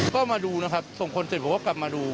ก็มาดูนะครับส่งคนเสร็จผมก็กลับมาดู